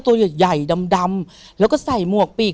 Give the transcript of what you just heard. เป็นตัวใหญ่ดำแล้วก็ใส่หมวกปีก